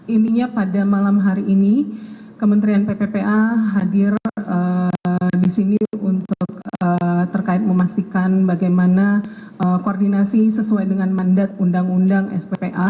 intinya pada malam hari ini kementerian pppa hadir di sini untuk terkait memastikan bagaimana koordinasi sesuai dengan mandat undang undang sppa